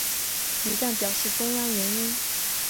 一般表示中央元音。